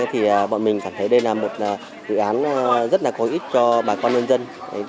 thì bọn mình cảm thấy đây là một dự án rất là có ích cho bà con nhân dân